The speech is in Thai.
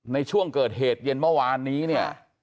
ในช่วงเกิดเหตุเย็นเมื่อวานนี้เนี่ย